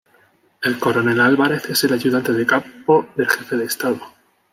El coronel Álvarez es el ayudante de campo del Jefe de Estado.